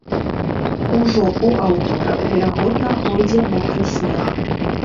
Ужо ў аўторак, верагодна, пойдзе мокры снег.